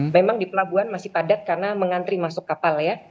memang di pelabuhan masih padat karena mengantri masuk kapal ya